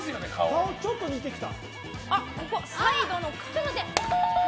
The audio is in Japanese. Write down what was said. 顔、ちょっと似てきた。